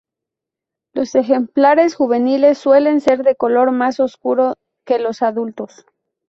Los ejemplares juveniles suelen ser de color más oscuro que los adultos.